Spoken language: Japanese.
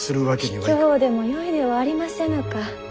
卑怯でもよいではありませぬか。